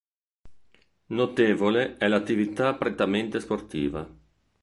Notevole è l'attività prettamente sportiva.